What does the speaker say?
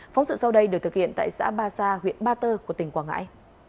phóng sự sau đây được thực hiện tại xã ba sa huyện ba tơ của tỉnh quảng ngãi